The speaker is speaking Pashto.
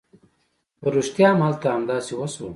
په رښتيا هم هلته همداسې وشول.